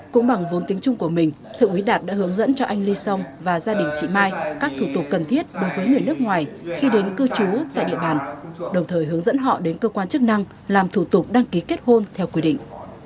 cũng bằng vốn tiếng trung của mình thượng úy đạt đã hướng dẫn cho anh ly song và gia đình chị mai các thủ tục cần thiết đối với người nước ngoài khi đến cư trú tại địa bàn đồng thời hướng dẫn họ đến cơ quan chức năng làm thủ tục đăng ký kết hôn theo quy định